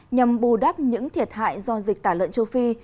nhằm bù đắp những thiệt hại do dịch tả lợn châu phi